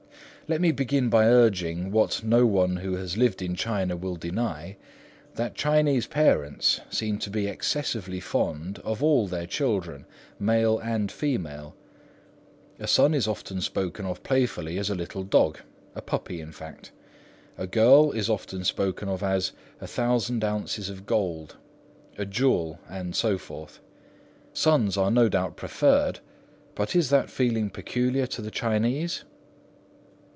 Let me begin by urging, what no one who has lived in China will deny, that Chinese parents seem to be excessively fond of all their children, male and female. A son is often spoken of playfully as a little dog,—a puppy, in fact; a girl is often spoken of as "a thousand ounces of gold," a jewel, and so forth. Sons are no doubt preferred; but is that feeling peculiar to the Chinese?